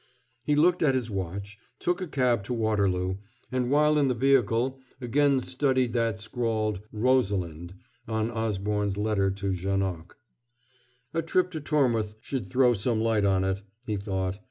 He looked at his watch, took a cab to Waterloo, and while in the vehicle again studied that scrawled "Rosalind" on Osborne's letter to Janoc. "A trip to Tormouth should throw some light on it," he thought.